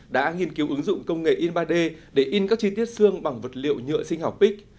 đã nghiên cứu ứng dụng công nghệ in ba d để in các chi tiết xương bằng vật liệu nhựa sinh học pix